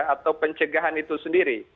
atau pencegahan itu sendiri